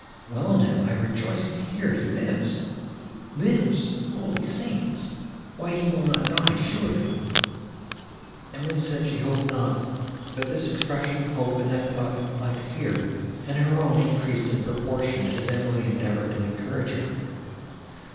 "Well, Annette, I rejoice to hear he lives." "Lives! Holy Saints! why he will not die, surely!" Emily said she hoped not, but this expression of hope Annette thought implied fear, and her own increased in proportion, as Emily endeavoured to encourage her.